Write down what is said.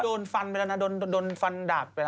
โดนฟันไปแล้วนะโดนฟันดาบไป